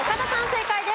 正解です。